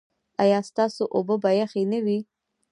ایا ستاسو اوبه به یخې نه وي؟